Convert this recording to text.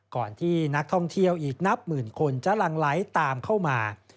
ก่อนที่นักท่องเที่ยวอีกนับหมื่นคนจะลังไหลตามเข้ามา